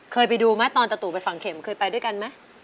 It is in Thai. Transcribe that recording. เคยไปดูไหมตอนตะตู่ไปฝังเข็มเคยไปด้วยกันไหม